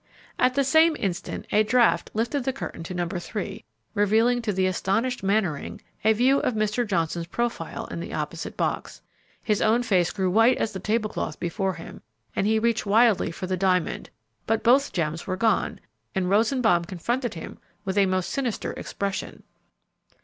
At the same instant a draught lifted the curtain to NO. 3, revealing to the astonished Mannering a view of Mr. Johnson's profile in the opposite box. His own face grew white as the table cloth before him; he reached wildly for the diamond, but both gems were gone, and Rosenbaum confronted him with a most sinister expression.